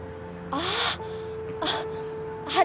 ああ。